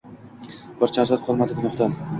Bir jonzot qolmadi gunohdan.